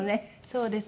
そうですね。